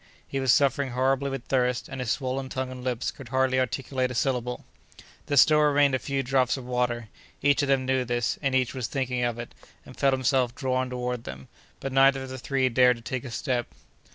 He was suffering horribly with thirst, and his swollen tongue and lips could hardly articulate a syllable. There still remained a few drops of water. Each of them knew this, and each was thinking of it, and felt himself drawn toward them; but neither of the three dared to take a step.